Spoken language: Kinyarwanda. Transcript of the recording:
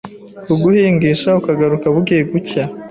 kuguhingisha ukagaruka bugiye gucya